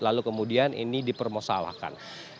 lalu kemudian ini dipermosawakan